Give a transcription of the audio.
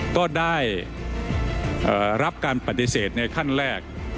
ก็ได้รับการปฏิเสธในขั้นแรก